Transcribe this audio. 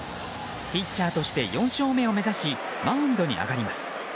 ピッチャーとして４勝目を目指しマウンドに上がります。